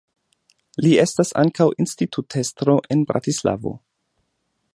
Li estas ankaŭ institutestro en Bratislavo.